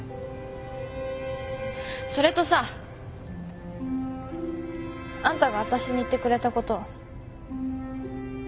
それとさあんたがわたしに言ってくれたこと。